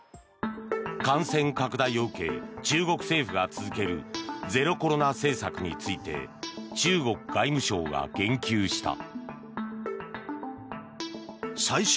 感染拡大を受け中国政府が続けるゼロコロナ政策について中国外務省が言及した。